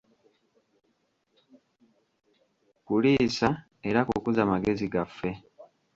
Kuliisa era kukuza magezi gaffe.